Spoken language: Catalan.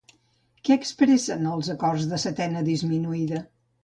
Què expressen els acords de setena disminuïda?